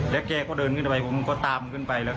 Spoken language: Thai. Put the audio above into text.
แล้วแกก็เดินขึ้นไปผมก็ตามขึ้นไปแล้ว